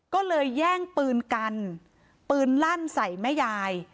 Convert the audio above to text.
ก็เลยแย่งปืนกันปืนลั่นใส่แม่ยาย